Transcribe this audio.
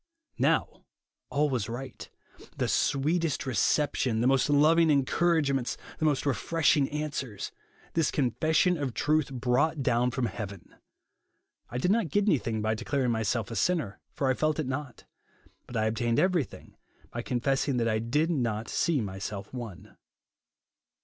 Now, all was right ; the sweetest re ception, the most loving encouragements, the most refreshing answers, this confession of the truth brought down from heaven. I did not get anything by declaring myself a sinner, for I felt it not ; but I obtained everything by confessing that I did not sea myself one."